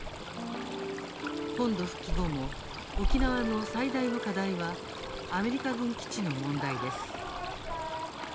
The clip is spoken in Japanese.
本土復帰後も沖縄の最大の課題はアメリカ軍基地の問題です。